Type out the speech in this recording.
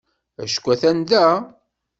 Acku atan da.